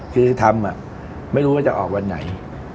คือทำโปรบามิรูปไม่รู้ว่าจะออกวันไหน